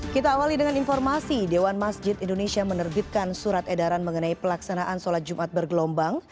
kita awali dengan informasi dewan masjid indonesia menerbitkan surat edaran mengenai pelaksanaan sholat jumat bergelombang